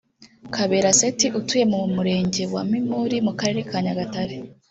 Kabera Seth utuye mu Murenge wa Mimuri mu Karere ka Nyagatare